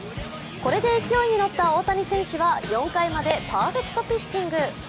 これで勢いに乗った大谷選手は４回までパーフェクトピッチング。